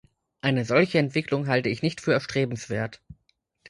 Eine solche Entwicklung halte ich nicht für erstrebenswert.